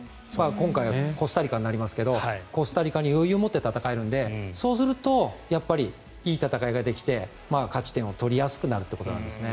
今回、コスタリカになりますがコスタリカに余裕を持って戦えるのでそうすると、いい戦いができて勝ち点を取りやすくなるということなんですね。